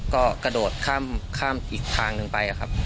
ก็กระโดดข้ามอีกทางหนึ่งไปครับ